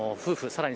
さらに